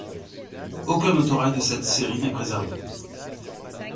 Aucun autorail de cette série n'est préservé.